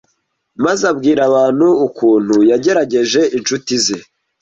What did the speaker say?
maze ababwira ukuntu yagerageje inshuti ze